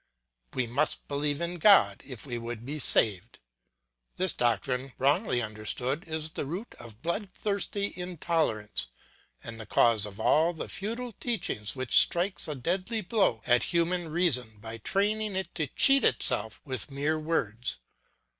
"We must believe in God if we would be saved." This doctrine wrongly understood is the root of bloodthirsty intolerance and the cause of all the futile teaching which strikes a deadly blow at human reason by training it to cheat itself with mere words.